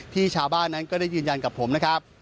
ชาวบ้านนั้นก็ได้ยืนยันกับผมนะครับ